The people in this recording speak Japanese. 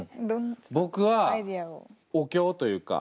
僕はお経というか。